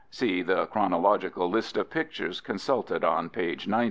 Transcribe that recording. (See the chronological list of pictures consulted, on page 90.)